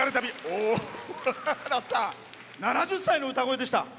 大原さん、７０歳の歌声でした。